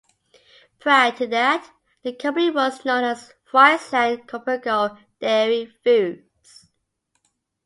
Prior to that, the company was known as Friesland Coberco Dairy Foods.